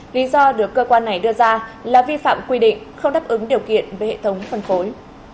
lý do được cơ quan này đưa ra là vi phạm quy định không đáp ứng điều kiện với hệ thống phân phối